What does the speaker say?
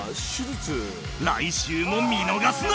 来週も見逃すな！